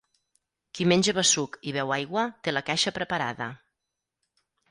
Qui menja besuc i beu aigua té la caixa preparada.